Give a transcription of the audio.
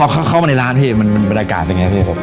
แล้วพอเข้ามาในร้านพี่มันเป็นรายการเป็นยังไงพี่